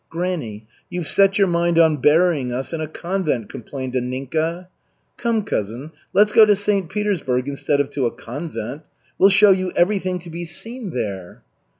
"Granny, you've set your mind on burying us in a convent," complained Anninka. "Come, cousin, let's go to St. Petersburg instead of to a convent. We'll show you everything to be seen there."